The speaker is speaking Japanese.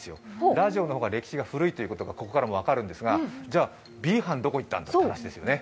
ラジオの方が歴史が古いということが、ここからも分かるんですがＢ班はどこへ行ったかという話ですね。